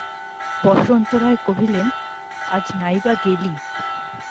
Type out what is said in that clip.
বসন্ত রায় কহিলেন, আজ নাই-বা গেলি।